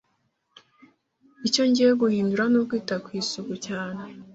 Icyo ngiye guhindura ni ukwita ku isuku cyane.